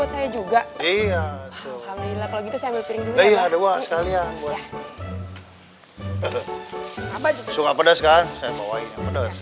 saya juga iya kalau gitu saya beli dua dua sekalian buat apa juga pedes kan saya bawain